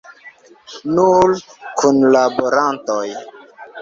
Nur kunlaborantoj.